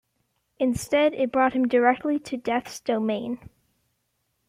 Instead it brought him directly to Death's Domain.